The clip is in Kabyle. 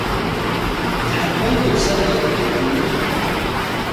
Tḥemmel llebsa n yeqbayliyen?